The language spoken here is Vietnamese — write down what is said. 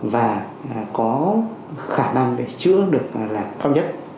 và có khả năng để chữa được là cao nhất